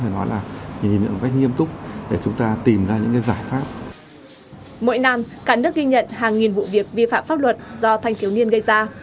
mỗi năm cả nước ghi nhận hàng nghìn vụ việc vi phạm pháp luật do thanh thiếu niên gây ra